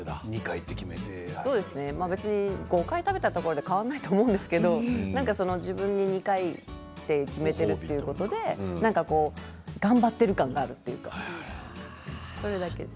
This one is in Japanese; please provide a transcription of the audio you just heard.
５回食べたところで変わらないと思うんですけど自分に、２回と決めていることで頑張ってる感があるというそれだけです。